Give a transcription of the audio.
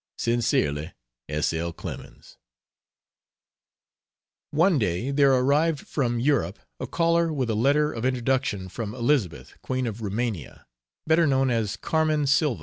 Sincerely S. L. CLEMENS. One day there arrived from Europe a caller with a letter of introduction from Elizabeth, Queen of Rumania, better known as Carmen Sylva.